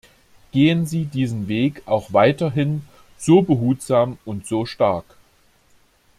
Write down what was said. Gehen Sie diesen Weg auch weiterhin so behutsam und so stark.